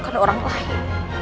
bukan orang lain